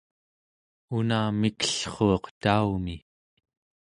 una mikellruuq taumi